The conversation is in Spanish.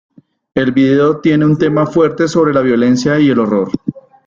El video tiene un tema fuerte sobre la violencia y el horror.